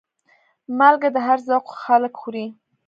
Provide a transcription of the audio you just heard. مالګه د هر ذوق خلک خوري.